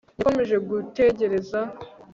yakomeje gutegereza